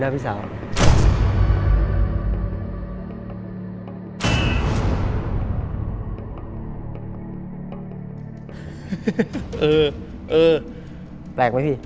แปลกไหมพี่